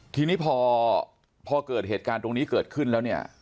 ทีนี้พอเกิดเหตุการณ์ตรงนี้เกิดขึ้นแล้วเนี่ย